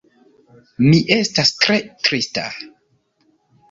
Mi estas tre trista.